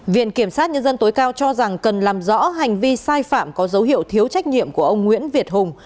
viện kiểm sát nhân dân tối cao cho rằng cần làm rõ hành vi sai phạm có dấu hiệu thiếu trách nhiệm của ông nguyễn việt hùng